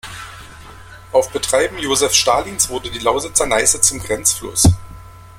Auf Betreiben Josef Stalins wurde die Lausitzer Neiße zum Grenzfluss.